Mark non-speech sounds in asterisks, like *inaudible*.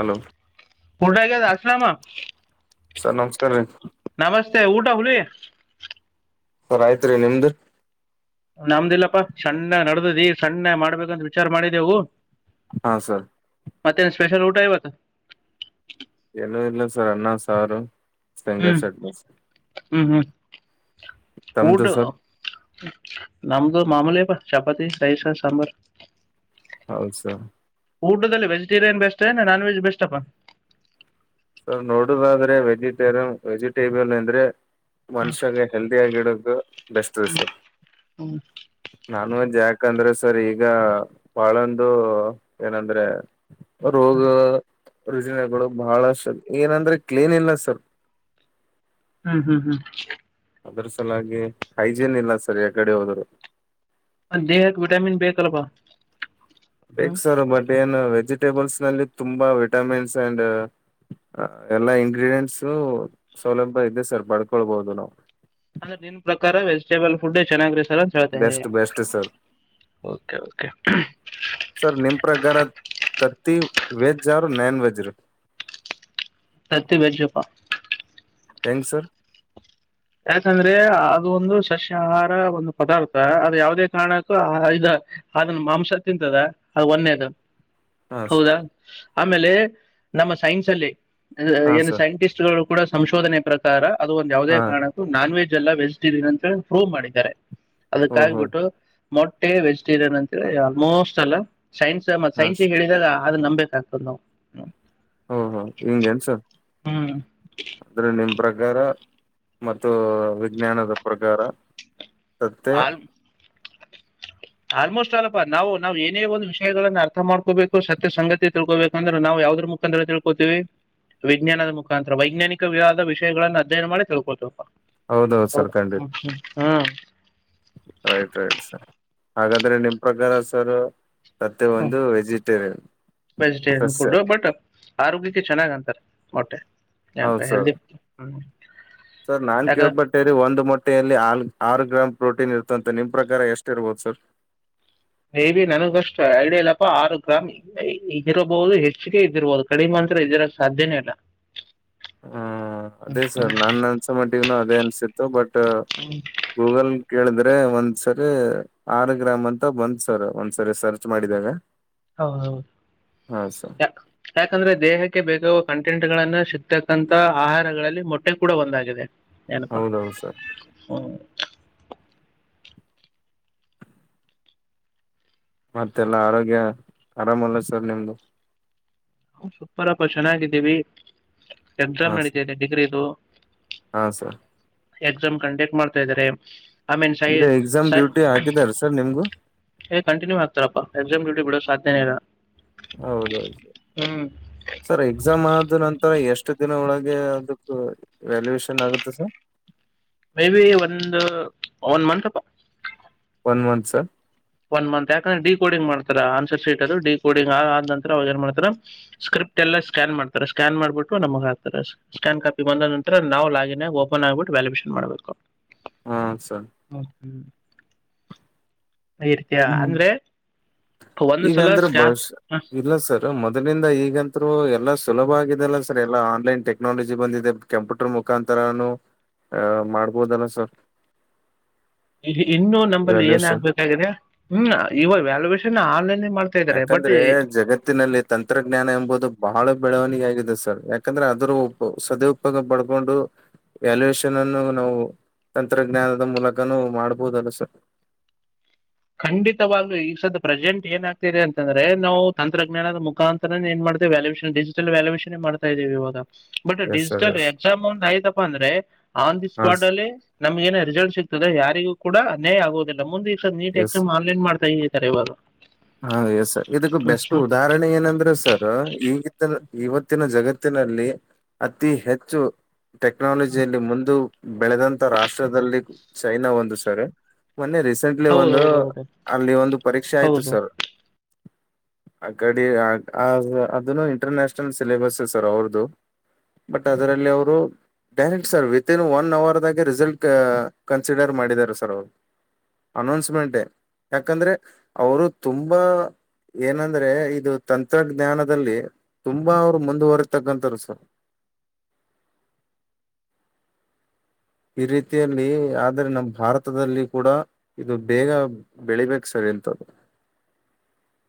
Hello ಊಟಗ್ಯಾದ Aslam sir ನಮಸ್ಕಾರ್ ರೀ ನಮಸ್ತೆ ಊಟ ಹುಲಿ ಸರ್ ಆಯತ್ತ್ ರೀ ನಿಮ್ದು ನಮ್ದಿಲ್ಲಪ್ಪಾ ಸಣ್ಣ ನಡ್ದದಿ ಸಣ್ಣ ಮಾಡ್ಬೇಕಂತ ವಿಚಾರ ಮಾಡಿದೆವು ಹಾ ಸರ್ ಮತ್ತೆನು ಸ್ಪೇಷಲ್ ಊಟ ಇವತ್ತು ಏನೂ ಇಲ್ಲ ಸರ್ ಅನ್ನ ಸಾರು ಶೇಂಗಾ ಹ್ಮ್ ಸಟ್ನಿ ಸರ್ ಹ್ಮ್ ಹ್ಮ್ ಊಟ ತಮ್ದು ಸರ್ ನಮ್ದು ಮಾಮೂಲಿ ಪ ಚಾಪಾತಿ ಸೈಸ ಸಾಂಬರ್ ಹೌದ್ ಸರ್ ಊಟದಲ್ಲಿ ವೆಜಿಟೇರಿಯನ್ ಬೆಸ್ಟ್ ಇಲ್ಲಾ ನಾನ್ ವೆಜ್ ಬೆಸ್ಟ್ ಪಾ ಸರ್ ನೋಡುದಾದ್ರೆ ವೆಜಿಟೇರಿಯನ್ ವೆಜಿಟೇಬಿಲ್ ಅಂದ್ರೆ ಮನುಷ್ಯಾಗ ಹೆಲ್ದಿಯಾಗ್ ಇಡೊದು ಹ ಹ್ಮ ನಾನ್ ವೆಜ್ ಯಾಕ್ ಅಂದ್ರೆ ಸರ್ ಈಗ ಬಳೊಂದು ಏನಂದ್ರೆ ರೋಗ ರೂಜನೆಗಳು ಬಹಳಷ್ಟು ಏನಂದ್ರೆ ಕ್ಲೀನ್ ಇಲ್ಲ ಸರ್ ಹ್ಮ್ ಹ್ಮ್ ಹ್ಮ್ ಅದ್ರೂ ಸಲುವಾಗಿ ಹೈಜಿನ್ ಇಲ್ಲ ಸರ್ ಯಾಕಡಿ ಹೋದರು ದೇಹಕ್ಕೆ ವಿಟಮಿನ್ ಬೇಕಲಪಾ ಬೇಕ್ ಸರ್ ಬಟ್ ಏನು ವೆಜಿಟೇಬಲ್ಸ್ ನಲ್ಲಿ ತುಂಬಾ ವಿಟಮಿನ್ಸ್ ಅಂಡ್ ಎಲ್ಲಾ ಇಂಗ್ರಿಡಿಯಂಟ್ಸು ಸೌಲಭ್ಯ ಇದೆ ಸರ್ ಬರ್ಕೊಬಹುದು ನಾವು ಅಂದ್ರೆ ನಿನ್ ಪ್ರಕಾರ ವೆಜಿಟೇಬಲ್ ಪುಡ್ ಚೆನ್ನಾಗಿರುತ್ತೆ ಅಂತ ಹೇಳ್ತಾ ಬೆಸ್ಟ್ ಇದಿಯಾ ಬೆಸ್ಟ್ ಸರ್ ಓಕೆ ಓಕೆ ಹೂ ಸರ್ ನಿಮ್ ಪ್ರಕಾರ ತತ್ತಿ ವೆಜ್ ಆರ್ ನಾನ್ ವೆಜ್ ಇರೋ ತತ್ತಿ ಬೆಸ್ಟ್ ಪ ಹೆಂಗ್ ಸರ್ ಯಾಕಂದ್ರೆ ಅದು ಒಂದು ಸಸ್ಯಾಹಾರ ಒಂದು ಪದಾರ್ಥ ಅದು ಯಾವುದೇ ಕಾರಣಕ್ಕೂ ಆ ಇದ್ ಅದನ್ ಮಾಂಸ ತಿಂತದ ಅ ಒನ್ನೇದು ಹಾ ಹೌದಾ ಆಮೇಲೆ ನಮ್ಮ ಸೈನ್ಸ್ ಅಲ್ಲಿ ಹಾ ಏನು ಸರ್ ಸೈಂಟಿಸ್ಟ್ ಗಳು ಕೂಡ ಸಂಶೋಧನೆ ಪ್ರಕಾರ ಅದು ಒಂದ್ ಯಾವುದೇ ಹಾ ಕಾರಣಕ್ಕೂ ನಾನ್ ವೆಜ್ ಅಲ್ಲ ವೆಜಿಟೇರಿಯನ್ ಅಂತ ಪ್ರೂವ್ ಮಾಡಿದ್ದಾರೆ ಅದಕ್ಕ ಹ್ಮ್ ಹ್ಮ್ ಆಗಿಬಿಟ್ಟು ಮೊಟ್ಟೆ ವೆಜಿಟೇರಿಯನ್ ಅಂತ ಆಲ್ಮೋಸ್ಟ್ ಅಲ್ಲ ಸೈನ್ಸ್ ಮತ್ತ ಹಾ ಸೈನ್ಸಗೆ ಹೇಳಿದಾಗ ಆಗ ನಂಬ್ಬೇಕ್ ಆಗ್ತದೆ ನಾವು ಹಾ ಹಾ ಹಿಂಗೆನ್ ಸರ್ ಹ್ಮ್ ಆದ್ರೆ ನಿಮ್ ಪ್ರಕಾರ ಮತ್ತು ವಿಜ್ಞಾನದ ಪ್ರಕಾರ ತತ್ತೆ ಆಲ್ ಆಲ್ಮೋಸ್ಟ್ ಅಲ್ಲಪಾ ನಾವು ನಾವ್ ಏನೇ ಒಂದು ವಿಷಯಗಳನ್ನ ಅರ್ಥ ಮಾಡ್ಕೋಬೇಕು ಸತ್ಯ ಸಂಗಾತಿ ತಿಳ್ಕೊಬೇಕಂದ್ರೆ ನಾವು ಯಾವುದ್ರೂ ಮುಖಾಂತರ ತಿಳ್ಕೊತೀವಿ ವಿಜ್ಞಾನದ ಮುಖಾಂತರ ವೈಜ್ಞಾನಿಕವಾದ ವಿಷಯಗಳನ್ನು ಅಧ್ಯಯನ ಮಾಡಿ ತಿಳ್ಕೊತಿವಪ್ಪ ಹೌದೌದು ಹೌದ ಸರ್ ಖಂಡಿತ ಹಹ ಹ್ಮ್ ರೈಟ್ ರೈಟ್ ಸರ್ ಹಾಗಾದ್ರೆ ನಿಮ್ ಪ್ರಕಾರ ಸರ್ ತತ್ತೆ ಹ ಒಂದು ವೆಜಿಟೇರಿಯನ್ ವೆಜಿಟೇರಿಯನ್ ಸಸ್ಯ ಫುಡ್ ಬಟ್ ಆರೋಗ್ಯಕ್ಕೆ ಚೆನ್ನಾಗ್ ಅಂತಾರೆ ಮೊಟ್ಟೆ ನನ್ಪ ಹೌದು ಹೆಲ್. ಸರ್ ಸರ್ ನಾನ್ ಕೇಳಪಟ್ಟೇರಿ ಒಂದು ಮೊಟ್ಟೆಯಲ್ಲಿ ಆಲ್ ಆರು ಗ್ರಾಮ್ ಪ್ರೋಟೀನ್ ಇರ್. ಂತ ನಿಮ ಪ್ರಕಾರ ಎಷ್ಟು ಇರ್ಬೋದು ಸರ್. ಮೇಬಿ ನನಗಷ್ಟು ಐಡಿಯ ಇಲ್ಲಪ್ಪ ಆರು ಗ್ರಾಮ್ ಇರಬಹುದು ಹೆಚ್ಚಿಗೆ ಇದಿರಬಹುದು ಕಡಿಮೆ. ಇದರ ಸಾಧ್ಯನೇ ಇಲ್ಲ. ಹ್ಮ್ ಅದೇ ಸರ್ ನನ್ ಅನ್ಸ ಮಟ್ಟಿಗನ ಅದೇ ಅನ್ಸಿತ್ತು ಬಟ್. ಗೂಗಲ್ ಕೇಳಿದ್ರೆ. ಆದೆ ಒಂದ್ಸರಿ ಆರು ಗ್ರಾಮ್ ಅಂತ ಬಂದ್ ಸರ್ ಒಂದ್ಸರಿ ಸರ್ಚ್ ಮಾಡಿದಾಗ. ಹೌ ಹೌದು ಹಾ ಸರ್ ಯ ಯಾಕಂದ್ರೆ ದೇಹಕ್ಕೆ ಬೇಕ ಕಂಟ ಟೆಂಟ್ ಗಳನ್ನ ಸಿಕ್ತಕ್ಕಂತಥ ಆಹಾರಗಳಲ್ಲಿ ಮೊಟ್ಟೆ ಕೂಡ ಒಂದಾಗಿದೆ. ಎನಪಾ ಹೌದೌದು ಸರ್ ಹ್ಮ. ಮತ್ತೆಲ್ಲ ಆರೋಗ್ಯ ಆರಾಮ ಅಲ್ಲ ಸರ್ ನಿಮ್ದು. ಹ ಸುಪರಪ ಚೆನ್ನಾಗಿದ್ದೀವಿ ಹಾ ಎಕ್ಸಾಮ್ ಸರ್ ನಡೀತದೆ ಡಿಗ್ರಿದು. ಹಾ ಸರ್. ಎಕ್ಸಾಮ್ ಕಂಡಕ್ಟ್ ಮಾಡ್ತಾ ಇದಾರೆ. ಐ ಮೀನ್ ಸೈ ಅಂದ್ರೆ ಎಕ್ಸಾಮ್ ಸೈ ಡ್ಯೂಟಿ ಹಾಕಿದಾರ ಸರ್ ನಿಮ್ಗೂ ಏ ಕಂಟಿನ್ಯೂ ಹಾಕ್ತಾರಪ್ಪ. ಎಕ್ಸಾಮ್ ಡ್ಯೂಟ ಬಿಡೋ ಸಾಧ್ಯನೆ ಇಲ್ಲ. ಹೌದೌದು ಹ್ಮ್ ಸರ್ ಎಕ್ಸಾಮ್ ಆದ ನಂತರ ಎಷ್ಟ ಎಷ್ಟು ದಿನ ಒಳಗೆ ಅದಕ್ಕ ವ್ಯಾಲ್ಯಯಷನ್ ಆಗುತ್ತೆ ಸರ್. ಮೇಬಿ ಒಂದು ಒನ್ ಮಂತ್ ಅಪ. One month sir. One month ಯಾಕಂದ್ರೆ ಡಿಕೋಡಿಂಗ್ ಮಾಡ್ತಾರ ಆನ್ಸರ್ ಶೀಟ್ ಅದು ಡ ಕೋಡಿಂಗ್ ಆದ ನಂತರ ಅವಾಗ ಏನ್ ಮಾಡ್ತಾರ ಸ್ಕ್ರೀನ್. ಎಲ್ಲ ಸ್ಕ್ಯಾನ್ ಮಾಡತಾರೆ ಸ್ಕ್ಯಾನ್ ಮಾಡ್ಬಿಟ್ಟು ನಮ್ ಹಕ್ತಾರೆ ಸ್ಕ್ಯಾನ್ ಕಾಪಿ ಬಂದ ನಾವು ಲಾಗಿನ್ ಓಪನ್ ಆಗ್ಬಿಟ್ಟು. ವ್ಯಾಲ್ಯಬೇಷನ್ ಮಾಡ್ಬೇಕು. ಹಾ ಸರ್ ಹ್ಮ ಹ್ಮ್ ಆ ರೀತಿಯ ಹ್ಮ್ ಅಂದ್ರೆ. ಒಂದು ಸಲ ಈಗಂದ್ರ ಸ್ಕ್ಯಾ ಬಹಶ ಇಲ್ಲ ಸರ್ ಮೊದ್ಲಿಂದ ಈಗಂತರು ಎಲ್ಲಾ ಸುಲಭ. ಲ್ಲ ಸರ್ ಎಲ್ಲಾ ಆನ್ಲೈನ್ ಟೆಕ್ನಾಲಜಿ ಬಂದಿದೆ. ಕೆಂಪ್ಯೂಟರ್ ಮುಖಾಂತರನು. ಆಹ ಮಾಡ್ಬೋದಲ್ಲ ಸರ್. ಇನ್ನು ನಂಬಲ್ಲಿ ಏನ್ ವ್ಯಾಲ್ಯೂಷನ್ ಆಗ್ಬೇಕಾಗಿದೆ ಹ್ಮ್ ಇವಾಗ ವ್ಯಾಲ್ಯುವೇಷನ್ ಆನ್ ಲೈನ್. ಯಾಕಂದ್ರೆ ಜಗತ್ತಿನಲ್ಲಿ ತಂತ್ರಜ್ಞಾನ ಎಂಬುದು ಬಹಳ ಬೆಳವಣ... ಆಗಿದೆ ಸರ್ ಯಾಕಂದ್ರೆ ಅದ್ರ ಉ ಸದ ಉಪಯೋಗ ಪಡ್ಕೊಂಡು... ವ್ಯಾಲ್ಯಯಷನ್ ಅನ್ನು ನಾವು ತಂತ್ರಜ್ಞಾನದ ಮೂಲಕನುೂ ಮಾಡ್ಬೋುದಲ್ಲ ಸರ್. *inaudible* ಖಂಡಿತವಾಗ್ಲು ಈಗ ಸದ ಪ್ರೆಸೆಂಟ್ ಏನ್ ಆಗ್ತಿದೆ ಅಂತಂದ್ರೆ ನಾವು ತಂತ್ರಜ್ಞಾನದ ಮುಖಾಂತರನ ಏನ್ ಮಾಡ. ್ಯಾಲ್ಯಷನ್ ಡಿಜಟಲ್ ವ್ಯಾಲ್ಯಷನೇ ಮಾಡತಾ ಇದೀವಿ ಇವಾಗ. But yes sir digital yes exam ಒಂದ ಆಯ್ತಪ್ಪಾ ಅಂದ್ರೆ ಆನ್ ದಿ ಹಾ ಸ್ಪಾಟ್ ಸರ್ ಅಲ್ಲಿ ನಮ್ಗೆ ಏನ ರಿಸಲ್ಟ್ ಸಿಗ್ ಇ ಯಾರಿಗೂ ಕೂಡ ಅನ್ಯಾಯ ಆಗುದಿಲ್ಲ. ಮುಂದೆ ಈಗ ಸ ನೀಟ್ ಎಕ್ಸಾಮ್ ಆನ್ಲೈನ್ ಮಾಡ್ತಾ ಇದತಾರೆ ಇವಾಗ ಹ ಎಸ್ ಸರ್ ಇದಕ್ ಹ್ಮ್ ಬೆಸ್ಟ್ ಹ್ಮ್ ಉದಾಹರಣೆ ಏನಂದ್ರೆ ಸರ್ ಹೀಗಿತ್ತಲ್ಲ. ಇವತ್ತಿನ ಜಗತ್ತಿನಲ್ಲಿ ಅತಿ ಹೆಚ್ಚು ಟೆಕ್ನಾಲಜಿಯಲ್ಲಿ ಮುಂದು. ಬೆಳೆದಂತ ರಾಷ್ಟ್ರದಲ್ಲಿ ಚೈನಾ ಒಂದು ಸರ್. ಮೊನ್ನೆ ರೀಸೆಂಟ್ಲಿ ಒಂದು ಹೌದೌದೌದು ಅಲ್ಲಿ ಒಂದು ಪರೀಕ್ಷೆ ಆಯ್ತು ಸರ್. ಹ *inaudible* ಅ ಕಡಿ ಅದನು ಇಂಟರ್ನ್ಯಾಷನಲ್ ಸಿಲೆೇಬಸ್ ಸರ್ ಅವ್ರದು. ಬಟ್ ಅದರಲ್ಲಿ ಅವರು. ಡೈರೆಕ್ಟ್ ಸರ್ ವಿತಿನ್ ಒನ್ ಅವರ್ದಾಗೆ ರಿಸಲ್ಟ್ ಕನ್ಸಿಡರ್ ಮಾಡಿದ್ದಾರೆ ಸರ್ ಅವರು. ಅನೌನ್ಸ್ಮೆಂಟೆ ಯಾಕಂದ್ರೆ ಅವರು ತುಂಬಾ. ಏನಂದ್ರೆ ಇದು ತಂತ್ರಜ್ಞಾನದಲ್ಲಿ ತುಂಬಾ ಅವ್ರು ಮುಂದುವರಿತಕ್ಕಂತರು ಸರ್. ಅ *inaudible* ಈ ರೀತಿಯಲ್ಲಿ ಆದ್ರೆ ನಮ್ಮ ಭಾರತದಲ್ಲಿ ಕೂಡ ಇದು ಬೇಗ ಬೆಳಿಬೇಕ ಸರ. ಎಂತದು. ಹ